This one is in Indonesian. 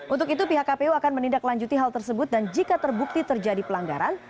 untuk itu pihak kpu akan menindaklanjuti hal tersebut dan jika terbukti terjadi pelanggaran